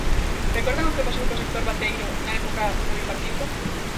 ¿Recordan o que pasou co sector bateeiro na época do Bipartito?